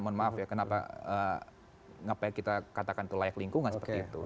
mohon maaf ya kenapa ngapain kita katakan itu layak lingkungan seperti itu